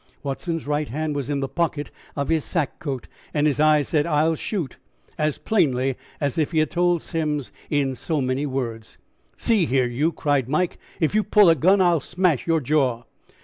Watson's right hand was in the pocket of his sack coat, and his eyes said, "I'll shoot," as plainly as if he had told Simms so in so many words. "See here, you," cried Mike, "if you pull a gun I'll smash your jaw!"